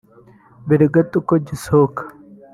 Mbere gato ko gisohoka